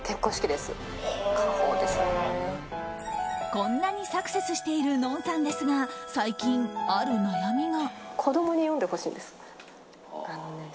こんなにサクセスしているＮＯＮさんですが最近、ある悩みが。